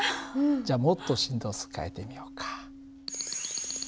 じゃあもっと振動数変えてみようか。